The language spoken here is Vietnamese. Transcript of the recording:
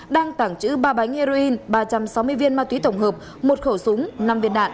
đang tàng trữ ba bánh heroin ba trăm sáu mươi viên ma túy tổng hợp một khẩu súng năm viên đạn